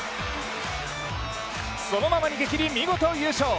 そのまま逃げ切り、見事優勝。